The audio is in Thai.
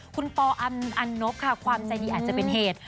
คุณปออันนบค่ะความใจดีอาจจะเป็นเหตุ